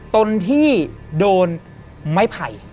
ตนที่โดนไม้ไผ่